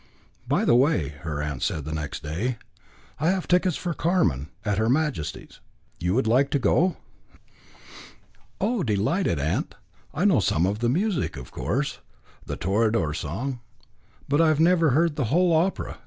"By the way," said her aunt next day, "I have taken tickets for Carmen, at Her Majesty's. You would like to go?" "Oh, delighted, aunt. I know some of the music of course, the Toreador song; but I have never heard the whole opera.